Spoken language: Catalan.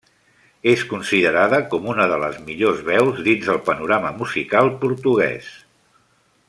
És considerada com una de les millors veus dins el panorama musical portuguès.